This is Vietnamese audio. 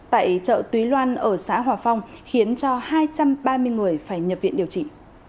tại chợ túy loan ở xã hòa phong khiến cho hai trăm ba mươi người phải nhập viện điều trị